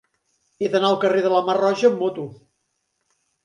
He d'anar al carrer de la Mar Roja amb moto.